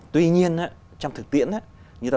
tuy nhiên trong thực tiễn